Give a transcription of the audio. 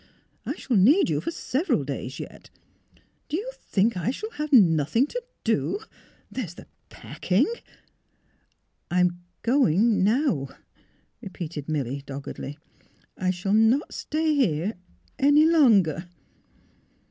I shall need you for several 296 THE HEAET OF PHILURA days, yet. Do you think I shall have nothing to do? There is the packing "" I am going — now," repeated Milly, doggedly. " I shall not stay here any longer."